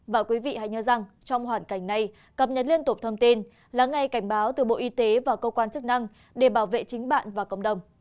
và quý vị hãy nhớ rằng trong hoàn cảnh này cập nhật liên tục thông tin lắng ngay cảnh báo từ bộ y tế và cơ quan chức năng để bảo vệ chính bạn và cộng đồng